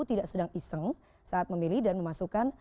tidak sedang iseng saat memilih dan memasukkan